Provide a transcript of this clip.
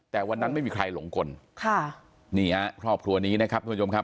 แต่วันนั้นไม่มีใครหลงกลค่ะนี่ฮะครอบครัวนี้นะครับทุกผู้ชมครับ